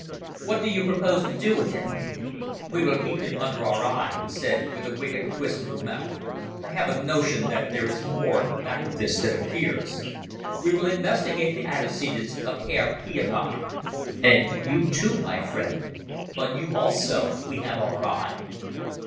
What do you propose to do with him?" "We will keep him under our eye," he said, with a wicked twist of the mouth. "I have a notion that there is more at the back of this than appears. We will investigate the antecedents of Herr Pienaar. And you, too, my friend. On you also we have our eye."